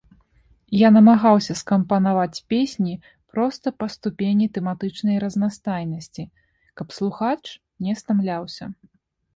Я намагаўся скампанаваць песні проста па ступені тэматычнай разнастайнасці, каб слухач не стамляўся.